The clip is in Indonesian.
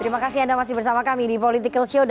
terima kasih anda masih bersama kami di political show